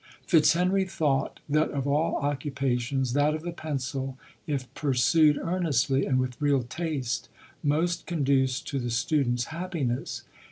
Fitzhenry thought that of all occupations, that of the pencil, if pursued earnestly and with real taste, most conduced to the student's hap piness.